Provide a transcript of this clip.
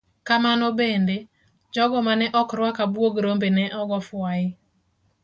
Kamano bende, jogo mane ok ruak abuog rombe ne ogo fwai.